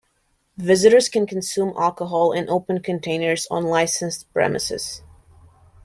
Visitors can consume alcohol in opened containers on licensed premises.